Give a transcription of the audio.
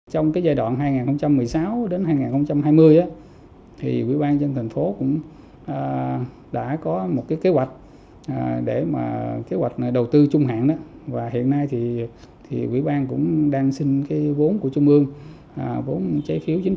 trong giai đoạn hai nghìn một mươi sáu hai nghìn hai mươi quỹ ban dân thành phố đã có một kế hoạch